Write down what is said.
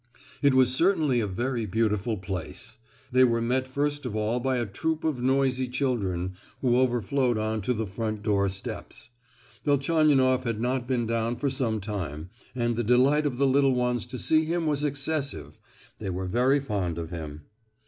It was certainly a very beautiful place. They were met first of all by a troop of noisy children, who overflowed on to the front door steps. Velchaninoff had not been down for some time, and the delight of the little ones to see him was excessive—they were very fond of him.